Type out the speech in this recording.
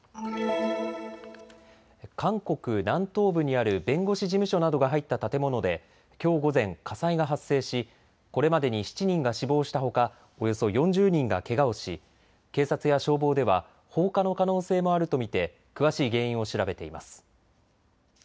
韓国南東部にある弁護士事務所などが入った建物できょう午前、火災が発生しこれまでに７人が死亡したほかおよそ４０人がけがをし警察や消防では放火の可能性もあると見て詳しい原因を調べています。